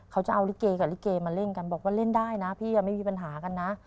เขาจะเอาลิเกกับลิเกมาเล่นกันบอกว่าเล่นได้นะพี่ไม่มีปัญหากันนะ